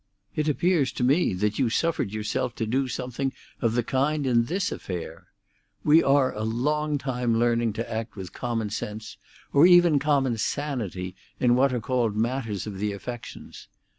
It appears to me that you suffered yourself to do something of the kind in this affair. We are a long time learning to act with common sense or even common sanity in what are called matters of the affections.